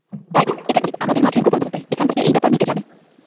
তাই এটা ঠিক আমাদের মাঝেই গোপন থাকবে এখান থেকে এই ব্যাপার মিটে যাবে।